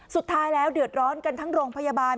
สุดท้ายแล้วเดือดร้อนกันทั้งโรงพยาบาล